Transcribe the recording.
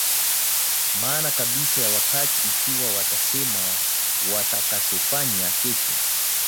maana kabisa ya wakati Ikiwa watasema watakachofanya kesho